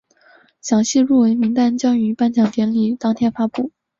详细入围名单将于颁奖典礼当天公布。